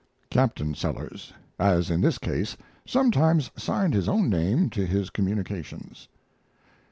[Captain Sellers, as in this case, sometimes signed his own name to his communications.